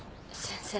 先生。